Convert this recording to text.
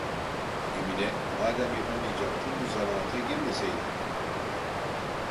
Emine "Madem yapamayacaktın, bu zanaata girmeseydin!"